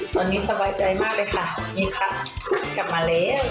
ตอนนี้สบายใจมากเลยค่ะนี่ค่ะกลับมาแล้ว